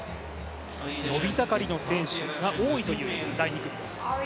伸び盛りの選手が多いという第２組です。